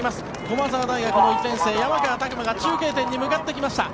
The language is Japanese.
駒澤大学の１年生、山川拓馬が中継点に向かってきました。